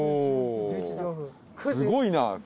すごいな。